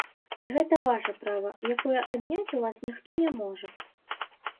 Гэта ваша права, якое адняць у вас ніхто не можа.